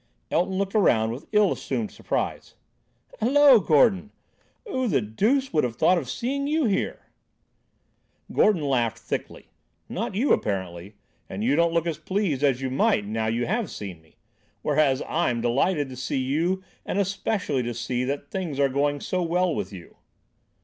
Elton looked round with ill assumed surprise. "Hallo, Gordon! Who the deuce would have thought of seeing you here?" Gordon laughed thickly. "Not you, apparently; and you don't look as pleased as you might now you have seen me. Whereas I'm delighted to see you, and especially to see that things are going so well with you."